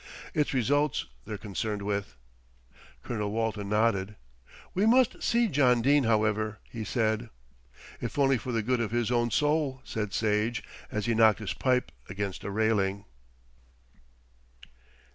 "It's results they're concerned with." Colonel Walton nodded. "We must see John Dene, however," he said. "If only for the good of his own soul," said Sage, as he knocked his pipe against a railing.